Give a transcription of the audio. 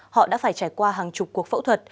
họ đã phải trải qua hàng chục cuộc phẫu thuật